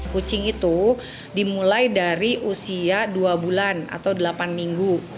kucing itu dimulai dari usia dua bulan atau delapan minggu